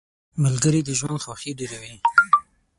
• ملګري د ژوند خوښي ډېروي.